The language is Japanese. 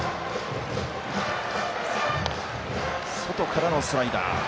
外からのスライダー。